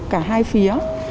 cả hai phía